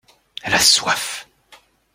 Elle a soif.